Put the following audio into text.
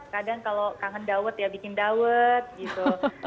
kadang kalau kangen dawet ya bikin dawet gitu